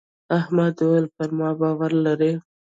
احمد وويل: پر ما باور لرې.